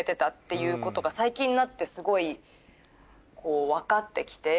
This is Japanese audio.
いうことが最近になってすごい分かってきて。